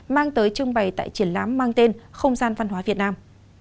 mang tới trưng bày tại triển lãm mang tên không gian văn hóa việt nam